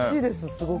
すごく。